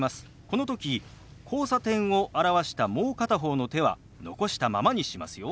この時「交差点」を表したもう片方の手は残したままにしますよ。